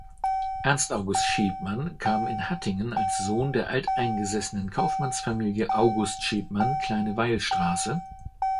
Ernst-August Schepmann kam in Hattingen als Sohn der alteingesessenen Kaufmannsfamilie August Schepmann, Kleine-Weilstr.